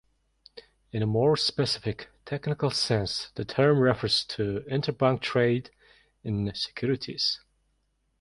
In a more specific, technical sense, the term refers to interbank trade in securities.